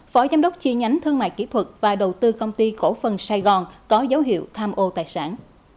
phó giám đốc chi nhánh thương mại kỹ thuật và đầu tư công ty cổ phần sài gòn có dấu hiệu tham ô tài sản